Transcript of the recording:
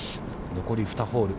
残り２ホール。